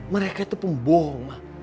mereka itu pembohong ma